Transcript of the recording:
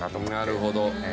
なるほど。